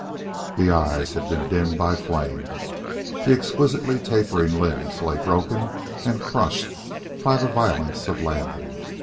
The eyes had been dimmed by flame. The exquisitely tapering limbs lay broken and crushed by the violence of landing.